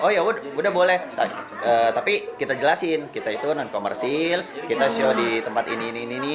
oh yaudah boleh tapi kita jelasin kita itu non komersil kita show di tempat ini ini ini